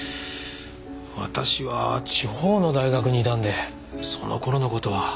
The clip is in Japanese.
私は地方の大学にいたんでその頃の事は。